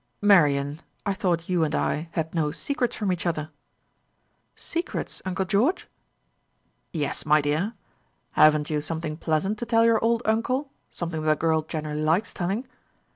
"Marian, I thought you and I had no secrets from each other?" "Secrets, uncle George!" "Yes, my dear. Haven't you something pleasant to tell your old uncle something that a girl generally likes telling?